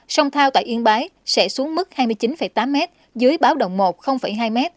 sông thao tại yên bái sẽ xuống mức hai mươi chín tám m dưới báo động một hai m